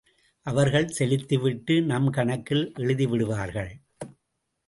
அவர்கள் செலுத்தி விட்டு நம் கணக்கில் எழுதிவிடுவார்கள்.